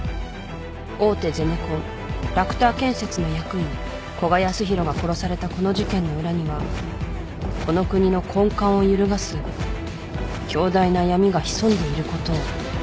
［大手ゼネコンラクター建設の役員古賀康弘が殺されたこの事件の裏にはこの国の根幹を揺るがす強大な闇が潜んでいることを］